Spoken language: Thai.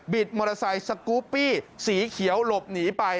มอเตอร์ไซค์สกูปปี้สีเขียวหลบหนีไป